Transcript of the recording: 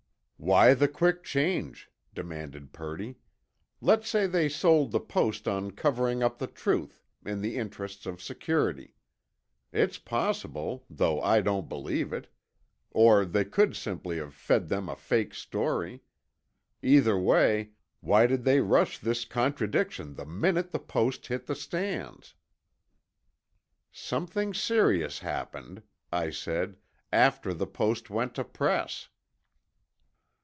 "Why the quick change?" demanded Purdy. "Let's say they sold the Post on covering up the truth, in the interests of security. It's possible, though I don't believe it. Or they could simply have fed them a fake story. Either way, why did they rush this contradiction the minute the Post hit the stands?" "Something serious happened," I said, "after the Post went to press."